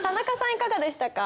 いかがでしたか？